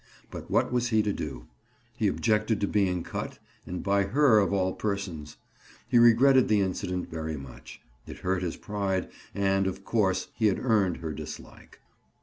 But what was he to do? He objected to being cut, and by her, of all persons. He regretted the incident very much. It hurt his pride and, of course, he had earned her dislike.